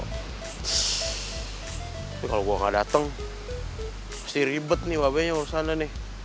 tapi kalau gue nggak datang pasti ribet nih babe nya di sana nih